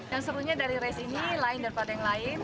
yang serunya dari race ini lain daripada yang lain